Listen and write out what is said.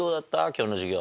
今日の授業。